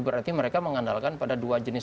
berarti mereka mengandalkan pada dua jenis